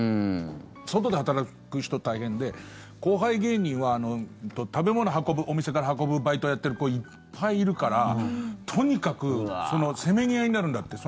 外で働く人大変で後輩芸人は食べ物をお店から運ぶバイトをやってる子いっぱいいるからとにかくせめぎ合いになるんだって。